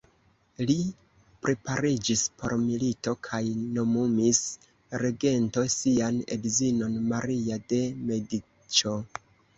Li prepariĝis por milito kaj nomumis regento sian edzinon, Maria de Mediĉo.